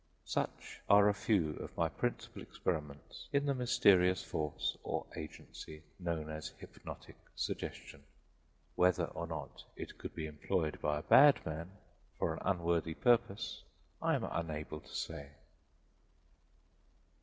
Such are a few of my principal experiments in the mysterious force or agency known as hypnotic suggestion. Whether or not it could be employed by a bad man for an unworthy purpose I am unable to say.